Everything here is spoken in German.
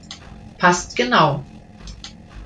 Passt genau!